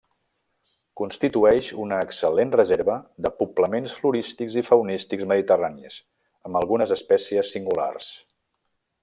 Constitueix una excel·lent reserva de poblaments florístics i faunístics mediterranis, amb algunes espècies singulars.